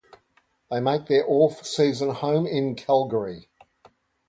They make their off-season home in Calgary.